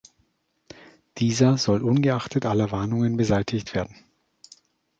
Dieser soll ungeachtet aller Warnungen beseitigt werden.